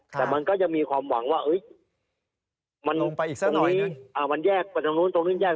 แต่มันก็จะมีความหวังว่ามันตรงนู้นตรงนู้นแยก